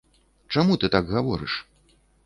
Чаму ты так гаворыш?